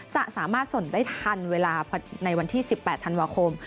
จะสามารถส่งได้ทันเวลาในวันที่๑๘ธันวาคม